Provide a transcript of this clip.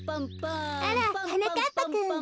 あらはなかっぱくん。